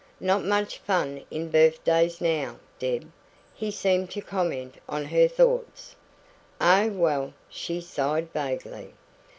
"Not much fun in birthdays now, Deb." He seemed to comment on her thoughts. "Oh, well!" she sighed vaguely.